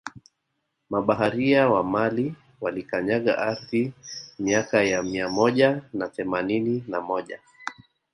Mabaharia wa Mali walikanyaga aridhi miaka ya Mia moja na themanini na moja